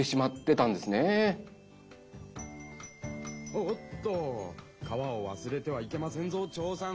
おっと川をわすれてはいけませんぞチョーさん。